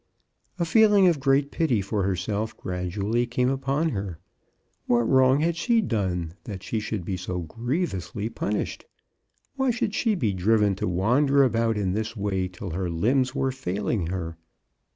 A feeling of great pity for herself gradually came upon her. What wrong had she done, that she should be so grievously punished? Why should she be driven to wan der about in this way till her limbs were failing her?